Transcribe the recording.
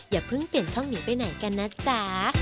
อย่าเพิ่งเปลี่ยนช่องหนีไปไหนกันนะจ๊ะ